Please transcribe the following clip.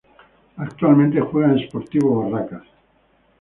Actualmente juega en Sportivo Barracas.